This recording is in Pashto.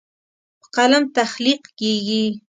په قلم تخلیق کیږي.